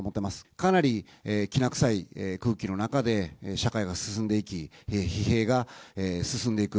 かなりきな臭い空気の中で社会が進んでいき、疲弊が進んでいく。